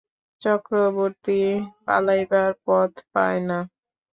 চক্রবর্তী পালাইবার পথ পায় না।